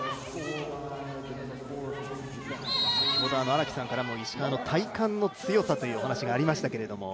荒木さんからも石川の体幹の強さというお話がありましたけれども、